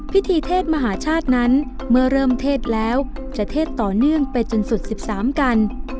เทศมหาชาตินั้นเมื่อเริ่มเทศแล้วจะเทศต่อเนื่องไปจนสุด๑๓กัน